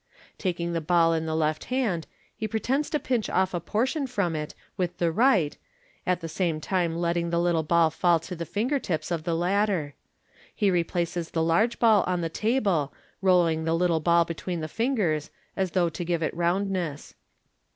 Taking the ball in the left hand, he pretends to pinch off a portion from it with the right, at the same time letting the little ball fall to the finger tips of the latter. He replaces the large ball on the table, rolling the little ball between the fingers, as though to give it roundness.